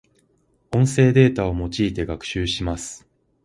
音声データを用いて学習します。